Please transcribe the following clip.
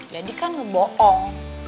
jadi kan ngebohong